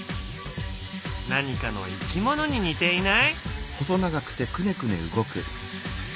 何かのいきものに似ていない？